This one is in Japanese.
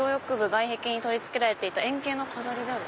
外壁にとりつけられていた円形の飾りである」。